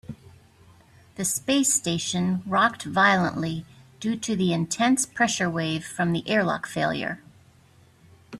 The space station rocked violently due to the intense pressure wave from the airlock failure.